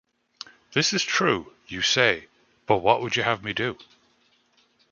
This is true, you say, but what would you have me do?